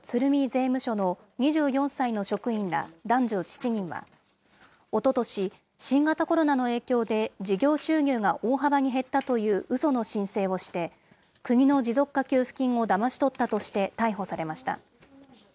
税務署の２４歳の職員ら男女７人は、おととし、新型コロナの影響で事業収入が大幅に減ったといううその申請をして、国の持続化給付金をだまし取ったとして、逮捕されました。